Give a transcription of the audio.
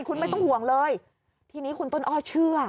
คุณไม่ต้องห่วงเลยทีนี้คุณต้นอ้อเชื่อ